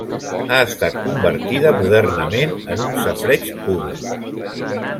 Ha estat convertida modernament en un safareig públic.